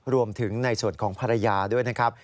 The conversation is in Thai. รวมถึงในส่วนของภรรยาด้วยนะครับ